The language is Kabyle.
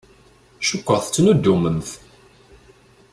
Cukkeɣ tettnuddumemt.